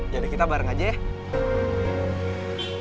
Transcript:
ya udah kita bareng aja ya